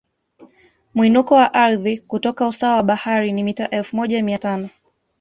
Mwinuko wa ardhi kutoka usawa wa bahari ni mita elfu moja mia tano